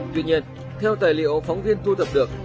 tuy nhiên theo tài liệu phóng viên thu thập được